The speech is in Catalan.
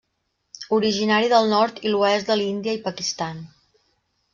Originari del nord i l'oest de l'Índia i Pakistan.